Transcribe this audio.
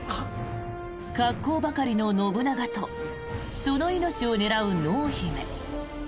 格好ばかりの信長とその命を狙う濃姫。